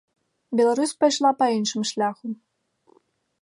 Беларусь пайшла па іншым шляху.